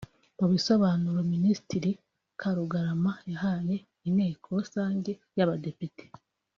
Mu bisobanuro Minisitire Karugarama yahaye inteko rusange y’abadepite